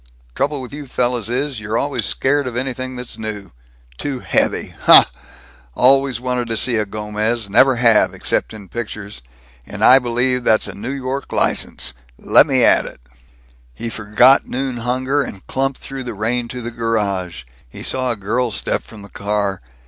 Trouble with you fellows is, you're always scared of anything that's new. Too heavy! Huh! Always wanted to see a Gomez never have, except in pictures. And I believe that's a New York license. Let me at it!" He forgot noon hunger, and clumped through the rain to the garage. He saw a girl step from the car.